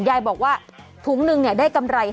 ยายบอกว่าถุงนึงเนี่ยได้กำไร๕๐๐